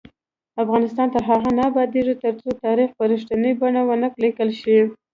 افغانستان تر هغو نه ابادیږي، ترڅو تاریخ په رښتینې بڼه ونه لیکل شي.